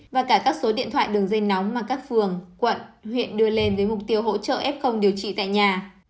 và cả các số điện thoại đường dây nóng mà các phường quận huyện đưa lên với mục tiêu hỗ trợ f điều trị tại nhà